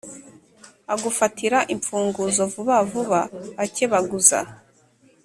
agufatira imfunguzo vuba vuba akebaguza,